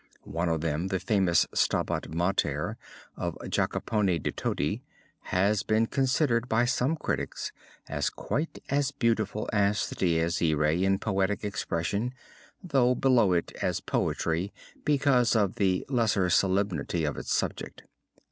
One of them, the famous Stabat Mater of Jacopone da Todi, has been considered by some critics as quite as beautiful as the Dies Irae in poetic expression, though below it as poetry because of the lesser sublimity of its subject.